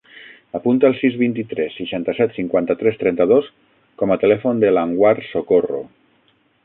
Apunta el sis, vint-i-tres, seixanta-set, cinquanta-tres, trenta-dos com a telèfon de l'Anwar Socorro.